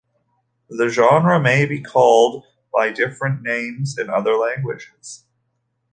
This genre may be called by different names in other languages.